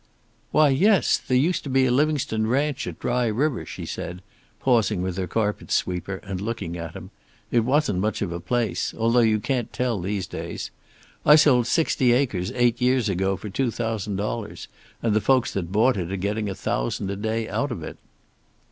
"Why, yes. There used to be a Livingstone ranch at Dry River," she said, pausing with her carpet sweeper, and looking at him. "It wasn't much of a place. Although you can't tell these days. I sold sixty acres eight years ago for two thousand dollars, and the folks that bought it are getting a thousand a day out of it."